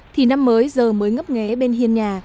thì năm mới giờ mới ngấp nghé bên hiên nhà